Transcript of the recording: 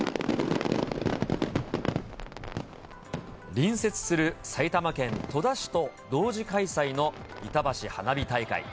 隣接する埼玉県戸田市と同時開催のいたばし花火大会。